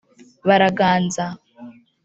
baraganza